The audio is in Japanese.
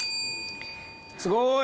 すごい。